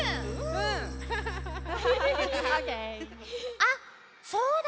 あっそうだ。